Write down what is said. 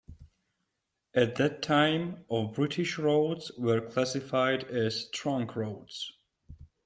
At that time, of British roads were classified as trunk roads.